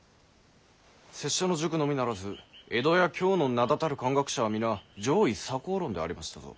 拙者の塾のみならず江戸や京の名だたる漢学者は皆攘夷鎖港論でありましたぞ。